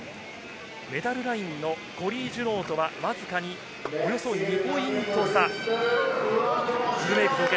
メダルラインのコリー・ジュノーとはわずかにおよそ２ポイント差。